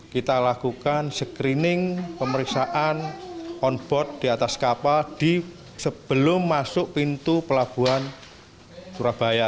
kita lakukan screening pemeriksaan on board di atas kapal sebelum masuk pintu pelabuhan surabaya